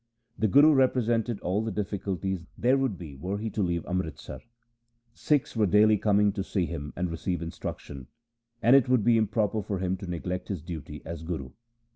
The Guru represented all the difficulties there would be were he to leave Amritsar. Sikhs were daily coming to see him and receive instruction, and it would be improper for him to neglect his duty as Guru.